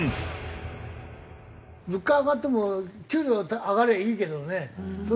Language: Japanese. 物価上がっても給料上がりゃいいけどね。